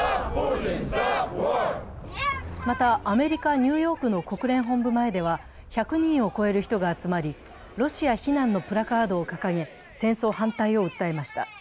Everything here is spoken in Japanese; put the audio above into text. また、アメリカ・ニューヨークの国連本部前では１００人を超える人が集まり、ロシア非難のプラカードを掲げ戦争反対を訴えました。